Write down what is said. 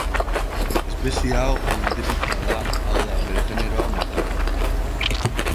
Espezie hau monotipikoa da, hau da, bere generoan bakarra.